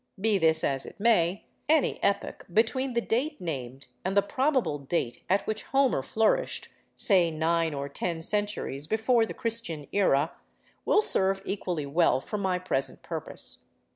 Be this as it may, any epoch between the date named and the probable date at which Homer flourished—say nine or ten centuries before the Christian era—will serve equally well for my present purpose.